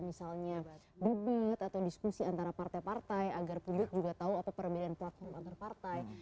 misalnya debat atau diskusi antara partai partai agar publik juga tahu apa perbedaan platform antar partai